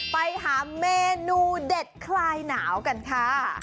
ไปหาเมนูเด็ดคลายหนาวกันค่ะ